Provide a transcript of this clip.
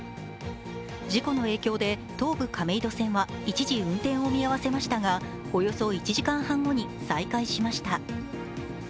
事故の影響で、東武亀戸線は一時、運転を見合わせましたがおよそ１時間半後に再開しました。